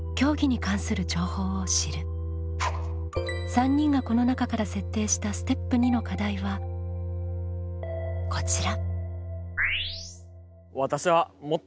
３人がこの中から設定したステップ２の課題はこちら。